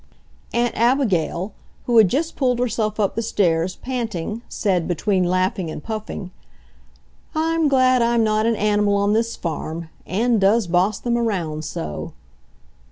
Aunt Abigail, who had just pulled herself up the stairs, panting, said, between laughing and puffing: "I'm glad I'm not an animal on this farm. Ann does boss them around so."